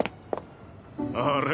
あれ？